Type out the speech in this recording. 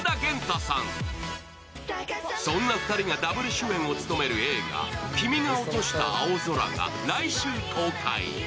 そんな２人がダブル主演を務める映画、「君が落とした青空」が来週公開。